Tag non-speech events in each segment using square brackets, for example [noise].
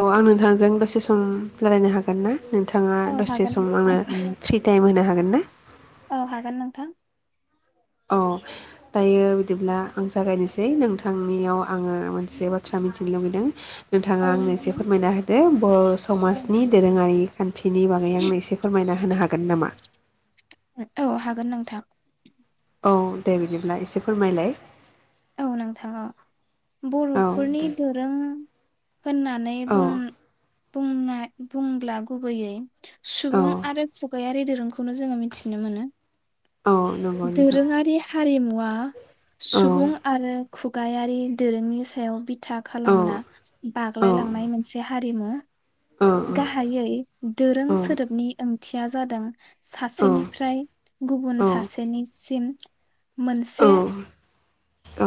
औ आं नोंथांजों दसे सम ओ रायलायनो हागोन ना? नोंथाङा औ दसे हागोन सम नोंथां आंनो फ्रि टाइम होनो हागोन ना? औ हागोन नोंथां अ दायो बिदिब्ला आं जागायनोसै नोंथांनियाव आंङो मोनसे बाथ्रा मिथिनो लुुबैदों। नोंथाङा औ आंनो एसे नोंथां फोरमायना होदो बर' औ समाजनि दोरोङारि खान्थिनि बागै आंनो एसे फोरमायना होनो हाग हागोन नामा? औ हागोन नोंथां। औ दे बिदिब्ला एसे फोरमायलाय। औ नोंथाङा औ बर'फोरनि दे दोरों होननानै औ बुं बुंनाय बुंब्ला गुबैयै औ सुबुं आरो खुगायारि दोरोंखौनो जोंङो मिथिनो मोनो औ नंगौ नोंथां दोरोङारि हारिमुवा [unintelligible] औ सुबुं। खुगायारि दोरोंनि सायाव बिथा औ खालामना औ बाग्लायलांनाय मोनसे हारिमु। औ गाहायै। दोरों औ सोदोबनि ओंथिया जादों सासेनिफ्राय गुबुन औ सासेनिसिम मोनसे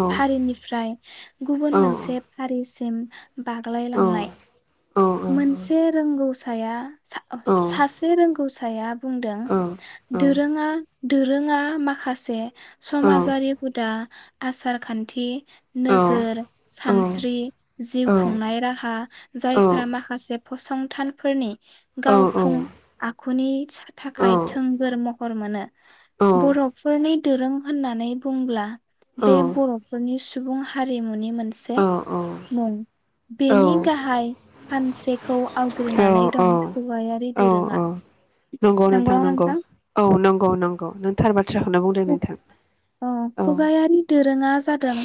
औ फारिनिफ्राय। गुबुन औ मोनसे फारिसिम। औ बाग्लायलांनाय। मोनसे रोंगौसाया सा-सासे रोंगौसाया बुंदों दोरोङा दोरोङा माखासे समाजारि गुदा। आसारखान्थि नोजोर सानस्रि जिउ खुंनाय राहा औ जायफोरा माखासे फसंथानफोरनि गावखुं आखुनि थाखाय थोंगोर महर मोनो बर'फोरनि धोरों होननानै बुंब्ला। बे बर'फोरनि सु सुबुं हारिमुनि मोनसे मुं बेनि गाहाय फानसेखौ आवग्रिनानै दं जौगायारि औ दोरोङा। औ नंगौ नोंथां नंगौ औ नंगौ नंगौ नों थार बाथ्रा। अ फुगायारि दो रोङा जादों।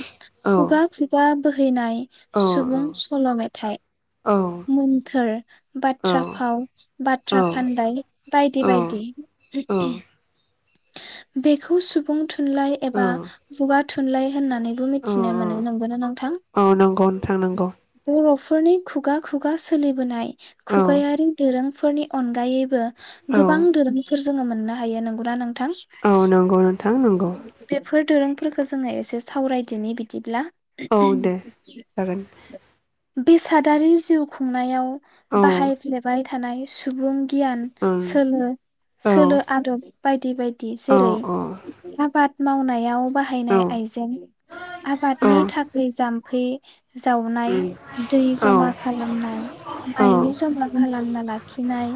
औ बगा फ्रिद। आ बोहैनाय औ सुबुं सल' मेथाइ। औ। फोर औ बाथ्रा फाव बाथ्रा फानदाय बायदि औ बायदि। बेखौ सुबुं थुनलाइ एबा खुगा थुनलाइ होननानैबो औ मिथिनो मोनो नंगौना नों औ नंगौ नोंथां नंगौ। फोरनि खुगा खुगा सोलिबोनाय औ खुगायारि दोरोंफोरनि अनगायैबो औ गोबां दोरोमफोर जोङो मोननो हायो नंगौना नोंथां। औ नंगौ नोंथां नंगौ। फोरखो जोङो एसे सावरायदोनि बिदिब्ला। औ दे जागोन बेसे सादारि जिउ खुंनायाव। औ बाहाय फ्लेबाय। थानाय सुबुं गियान ओं सोलो। औ सोलो आदब। बायदि बायदि। औ जेरै आबाद। मावनायाव औ बाहायनाय आइजें औ आबादनि थाखाय जाम्फै जावनाय दै औ जमा खालामनाय। औ बायनो जबा गलाब। नोंनालाय। खिनाय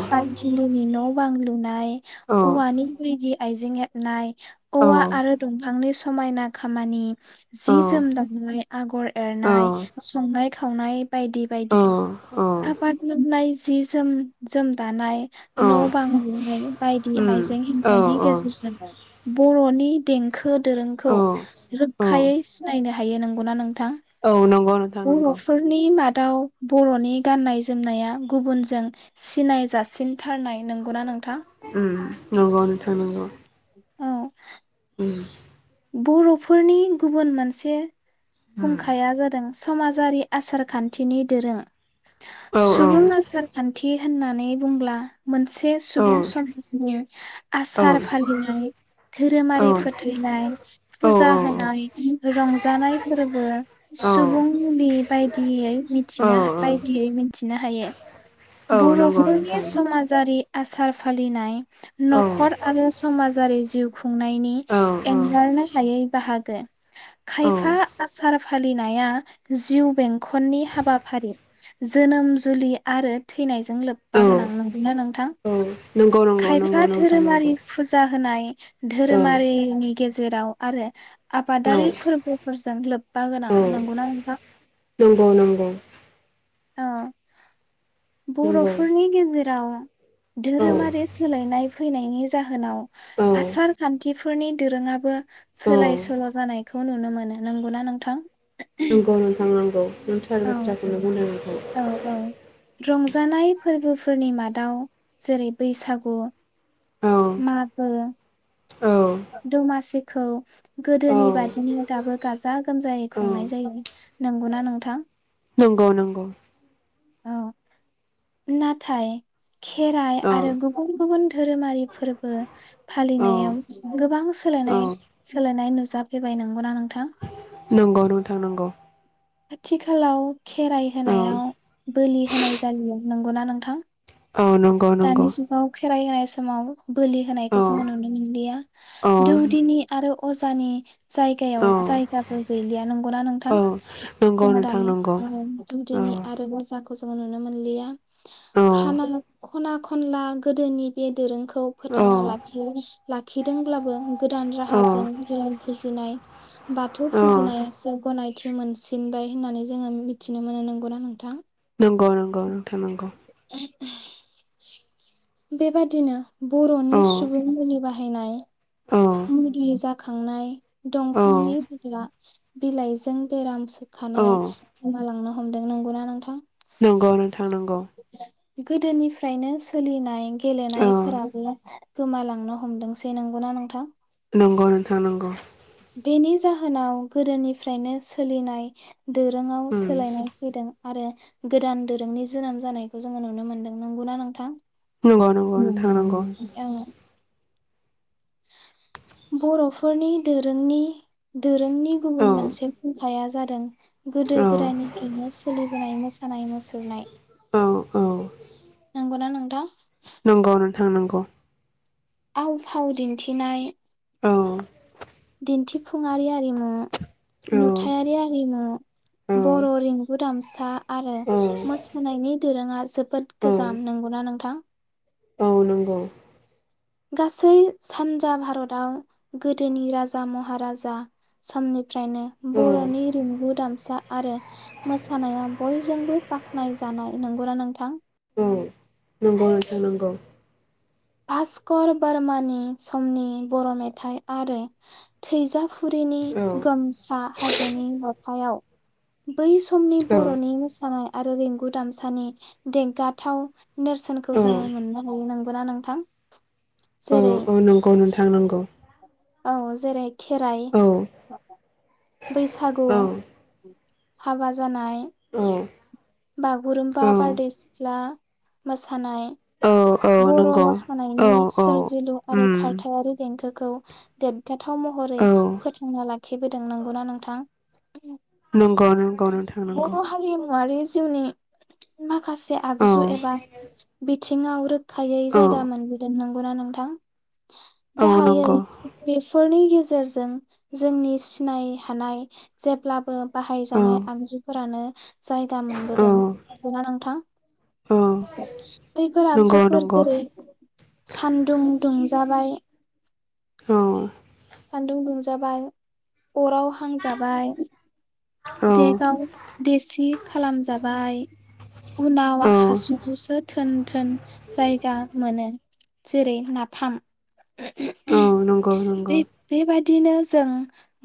बायदिनो। नि न' बां लुनाय औवानि बायदि आइजें हेबनाय औ औवा औ आरो दंफांनि समायना खामानि जि जोम दानाय आगर एरनाय संनाय खावनाय बायदि बायदि आबाद बुङोब्ला जि जोम जोम दानाय न' बां लुनाय । बायदि उम आइजें हेब औ मैनि औ गेजेरसिनै बर'नि देंखो दोरोंखौ औ रोखायै सिनायनो हायो नंगौना नों थां नंगौ नोंथां नंगौ बर'फोरनि मादाव बर'नि गाननाय-जोमनाया गुबुनजों सिनाय जाासिनथारनाय नंगौना नों उम नंगौ नो थां नंगौ औ उम बर'फोरनि गुबुन मोनसे फुंखाया जादों समाजारि आसारखान्थिनि दोरों औ औ सुबुं आसारखान्थि होननानै बुंब्ला मोनसे औ सुबुं समाजनि औ आसार फालिनाय औ धोरोमारि फोथैनाय फुजा होनाय रंजानाय फोरबो सुबुं मुलि बायदियै औ मिथिनो हा बायदियै मिथिनो हा थायो । औ नंगौ बर'फोरनि नोंथां समाजारि आसार फालिनाय औ नखर आरो समाजारि जिउ खु खुंनायनि औ एं एंगारनो हायै बाहाग [unintelligible] औ खायफा आसार फालिनाया जिउ बेंखननि हाबाफारि जोनोम जुलि आरो थैनायजों लोब्बा औ औ गोनां नंगौ ना नोंथां औ नंगौ । नंगौ नंगौ खायफा नोंथां धोरोमारि नंगौ फुजा होनाय औ धोरोमारिनि जेराव आरो औ आबादारि फोरबोफोरजों लोब ब्बा गोनां औ नंगौना नोंथां नंगौ नंगौ औ नंगौ बर'फोरनि गेजेराव औ धोरोमारि सोलायनाय फैनायनि जाहोनाव औ आसार खान्थि फो फोरनि दोरोङाबो औ सोलाय सोल' जानाय खौ नुनो मोनो नंगौना नोंथां? नंगौ नोंथां नंगौ। नों थार औ बाथ्राखौनो बुंदों नंगौ। जानाय फोरबोफोरनि मादाव जेरै बैसागु औ माग ओ औ दमासिखौ औ गोदोनि बादिनो दाबो गाजा गोमजायै औ खुंनाय जायो नंगौना नोंथां? नंगौ नंगौ। औ नाथाय खेराइ औ आरो गुबुन गुबुन धोरोमारि फोरबो औ फालिनायाव गोबां औ सोलायनाय सोलायनाय नुजाफैबाय नंगौना नोंथां? नंगौ नोंथां नंगौ। आथिखालाव खेराइ औ होनायाव बोलि होनाय जालिया नंगौना नोंथां? औ नंगौ दानि नंगौ। जुगाव खेराइ होनाय समाव बोलि होनायखौ औ जोङो नुनो मोनलिया। औ दौदिनि आरो अजानि जायगायाव औ जायगाबो गैलिया नंगौना नोंथां? औ नंगौ जोंहा नोंथां दानि नंगौ ओ औ दौदिनि आरो अजाखो खौ जों नुनो मोनलिया औ खाना खना खनला गोदोनि बे दोरोंखौ औ फोथांना लाखि लाखिदोंब्लाबो गोदान औ राहाजों धोरोम फुजिनाय बाथौ औ फुजिनायासो गनायथि मोनसि सिनबाय होननानै जोङो मिथिनो मोनो नंगौना नोंथां? नंगौ नंगौ नोंथां नंगौ। बेबादिनो औ बर'नि सुबुं मुलि बाहायनाय औ मुदि जाखांनाय दंफांनि रुदा बिलाइजों बेराम सो खानाय औ गोमलांनो हमदों नंगौना नोंथां? नंगौ नों थां नंगौ। गोदोनिफ्रायनो सोलिनाय औ गेलेनायफोराबो गोमालांनो हमदोंसै नंगौना नोंथां? नंगौ नोंथां नंगौ। बेनि जाहोनाव गोदोनिफ्रायनो सोलिनाय दोरोङाव उम सोलायनाय फैदों। आरो गोदान दोरोंनि जोनोम जानायखौ जोङो नुनो मोन्दों नंगौना नोंथां नंगौ नंगौ नोंथां नंगौ। बर'फोरनि दोरोंनि जोंनि औ गुबुन मोनसे फुंखाया जा जादों गोदो औ गोदायनिफ्रायनो सोलिबोनाय मोसानाय मुसुरनाय औ औ नंगौना नोंथां? नंगौ नोंथां नंगौ। आव फाव दिन्थिनाय औ दिन्थिफुंआरि आरिमु औ नुथायारि आरिमु औ बर' रिंगु दामसा आरो औ मोसानायनि दोरोङा जोबोद औ गोजाम नंगौना नोंथां। औ नंगौ गासै सानजा भारताव गोदोनि राजा महाराजा समनिफ्रायनो औ बर'नि रिंगु दामसा आरो मोसानाया बयजोंबो बाख्नाय जानाय नंगौना नोंथां। औ नंगौ नोंथां नंगौ। भास्कर बार्मानि समनि बर' मेथाइ आरो थैजाफुरिनि औ गोमसा हाजोनि रथायाव बै समनि औ बर'नि मोसानाय आरो रिंगु दामसानि देंगाथाव नेरसोनखौ औ जोङो मोननो हायो नांगौ। [unintelligible] नों थां। औ औ नंगौ नोंथां नंगौ। औ जेरै खेराइ औ बैसागु औ हाबा जानाय औ बागुरुमबा बारदै सिख्ला मोसानाय औ औ बर' नंगौ औ मोसानायनि औ सोरजिलु आरो। उम खारथायारि देंखोखौ देरगाथाव महरै औ फोथांना लाखिबोदों नंगौना नोंथां। नंगौ नंगौ नोंथां नंगौ। बर' हारिमुवारि जिउनि माखा माखासे औ आगजु एबा बि थिंआव रो खायै औ जायगा मोनबोदों नों। [unintelligible] नोंथां औ गाहायै नंगौ बेफोरनि गेजेराव गेजेरजों जोंनि सिनाय हानाय जेब्लाबो औ बाहायजानाय आगजुफोरानो जायगा औ मोनबोदों नंगौ ना नोंथां? औ बैफोर आगजु नंगौ फोर नंगौ जेरै सानदुं दुं जाबाय औ सान्दुं दुंजाबाय अराव हांजाबाय। औ देगआव देसि खालामजाबाय, उनाव औ हासुखौसो थोन थोन जायगा मोनो जेरै नाफाम। औ नंगौ नंगौ बेबायदिनो जों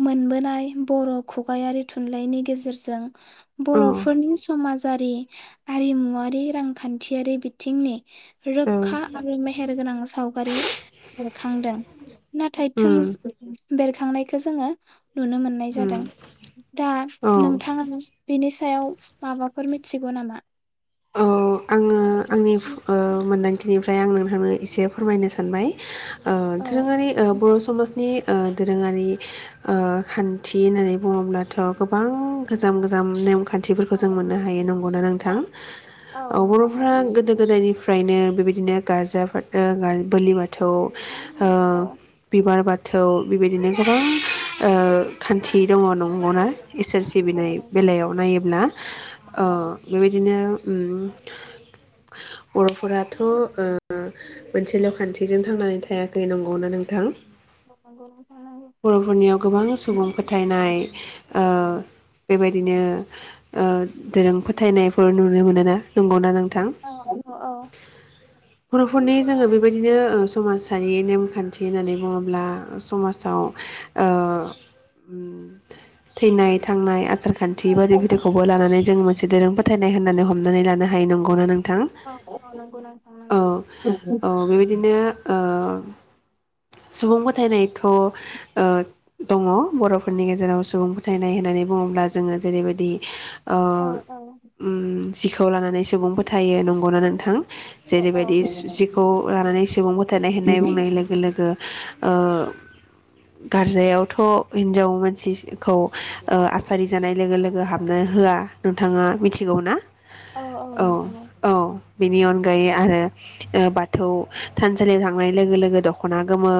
मोनबोनाय बर' खुगायारि थुनलाइनि गेजेरजों औ बर'फोरनि समाजारि आरिमुवारि, रांखान्थियारि, बिथिंनि औ रोखा आरो मेहेरगोनां सावगारि बेरखांदों नाथाय उम थोंजो बेरखांनायखौ जोङो नुनो मोननाय उम जादों। दा औ नोंथाङानो बिनि सायाव माबाफोर मिथिगौ नामा? ओ आंनि ओ मोन थिबिनिफ्राय आं नोंथांनो एसे फोरमायनो सानबाय। ओ औ दोरोङारि ओ बर' समाजनि ओ दोरोङारि ओ खान्थि होननानै बुङोब्लाथ' गोबां गोजाम गोजाम नेमखान थिफोरखौ जों मोननो हायो नंगौनो औ नोंथां? औ बर'फ्रा गोदो गोदायनि फ्रायनो बेबायदिनो गारजा फो ओ गा ओ बोलि बाथौ ओ औ बिमार बाथ थौ बेबायदिनो गोबां ओ खान्थि दङ नंगौवना? इसोर औ सिबिनाय नंगौ बेलायाव नायोब्ला ओ बेबायदिनो उम बर'फोराथ' ओ मोनसे ल'खान्थिजों थांनानै थायाखै नंगौना नोंथां? औ नंगौ नोंथां नंगौ बर'फोरनियाव गोबां सुबुं फोथायनाय ओ बेबायदिनो ओ दोरों फोथायनायफोर नुनो मोनोना? नोंगावना नों औ औ औ बर'फोरनि जोङो बेबायदिनो ओ समाजारि नेमखान्थि होननानै बुङोब्ला समाजाव ओ उम-थैनाय थांनाय आसार खान्थि बायदि बिदिखौबो लानानै जों मोनसे दोरों फोथायनाय होननानै हमनानै लानो हायो नंगौना नों औ औ नंगौ नोंथां नंगौ। औ बेबायदिनो ओ सुबुं फोथायनायथ' ओ दङ । बर'फोरनि गेजेराव सुबुं फोथायनाय होननानै बुङोब्ला, जोङो जेरैबायदि ओ औ उम जिखौ लानानै सुबुं फोथायो नंगौना नोंथां? औ जेरैबायदि जि-जिखौ लानानै सुबुं फोथारनाय होननाय बुंनाय लोगो लोगो ओ गारजायावथ' हिनजाव मानसि खौ आसरि जानाय लोगो लोगो हाबनो होआ नोंथाङा मिथिगौ ना औ औ नोंथाङा औ बेनि अनगायै आरो ओ बाथौ थानसालियाव थांनाय लोगो लोगो दखना गोमो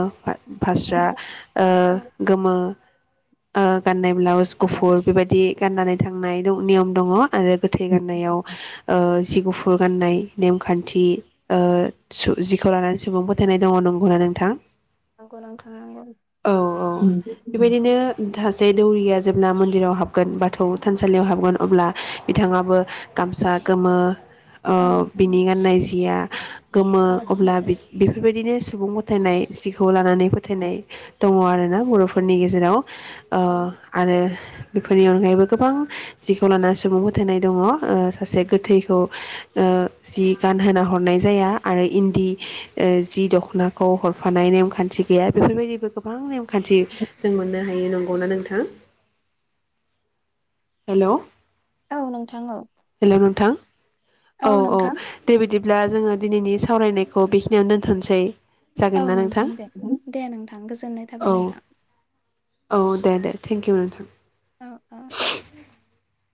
औ फास्रा ओ औ गोमो ओ गाननाय ब्लाउस औ गुफुर बेबायदि गाननानै थांनाय दं नियम दङ आरो गोथै गारनायाव ओ जि गुफुर गाननाय नेमखान्थि ओ सु जिखौ लानानै सुबुं फोथायनाय दङ नंगौना नोंथां नंगौ नोथां नंगौ औ औ बेबायदिनो सासे दौरिया जेब्ला मन्दिराव हाबगोन बाथौ थानसालियाव हाबगोन अब्ला बिथाङाबो गामसा गोमो ओ बिनि गाननाय जिया गोमो औ अब्ला बिदि बेफोरबायदिनो सुबुं फोथायनाय जि खौ लानानै फोथायनाय दङ आरो ना बरफोरनि गेजेराव ओ आरो बेफोरनि अनगायैबो गोबां जिखौ लाना सुबुं फोथायनाय दङ ओ सासे गो थैखौ ओ जि गानहोना हरनाय जाया आरो इन्दि ओ जि दखनाखौ हरफानाय नेमखान्थि गैया बेफोरबायदिबो गोबां नेम खान्थि जों मोननो हायो नं गौ ना नोंथा हेलौ औ नोंथां औ हेलौ नोंथां औ औ दे बिदि ब्ला जोङो दिनैनि सावरायनायखौ बेखिनियावनो दोनथनोसै औ जागोन ना नोंथां दे दे नोंथां गोजोननाय औ थाबाय नोंथां औ दे दे थेंकि इउ नोंथां औ आ